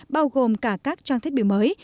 bao gồm cả các trang thiết bị mới